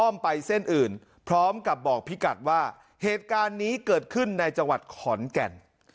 ไปเส้นอื่นพร้อมกับบอกพี่กัดว่าเหตุการณ์นี้เกิดขึ้นในจังหวัดขอนแก่น